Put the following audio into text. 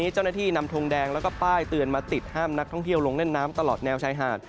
เจ้าหน้าที่นำทงแดงแล้วก็ป้ายเตือนมาติดห้ามนักท่องเที่ยวลงเล่นน้ำตลอดแนวชายหาด